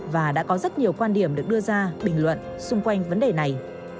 và đã có rất nhiều quan điểm được đưa ra bình luận xung quanh vấn đề này